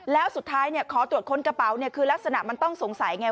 แล้วสุดท้ายขอตรวจค้นกระเป๋าคือลักษณะมันต้องสงสัยไง